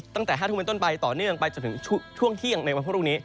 ตั้งแต่๕ทุ่มเป็นต้นไปต่อเนื่องไปจนถึงช่วงเที่ยงในวันพรุ่งนี้